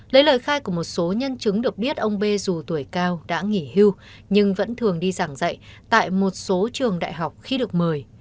lấy lời khai của một số nhân chứng được biết ông b dù tuổi cao đã nghỉ hưu nhưng vẫn thường đi giảng dạy tại một số trường đại học khi được mời